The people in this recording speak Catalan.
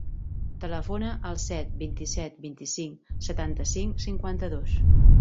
Telefona al set, vint-i-set, vint-i-cinc, setanta-cinc, cinquanta-dos.